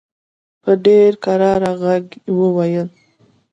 په ډېر کرار ږغ وویل.